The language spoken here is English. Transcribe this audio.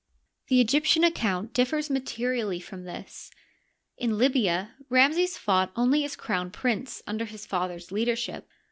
The Egyptian account differs materially from this. In Libya, Ramses fought only as crown prince under his father's leadership.